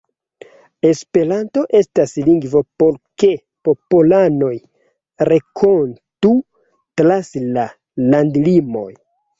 Esperanto estas lingvo por ke popolanoj renkontu trans la landlimoj.